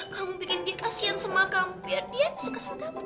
kamu bikin dia kasian sama kamu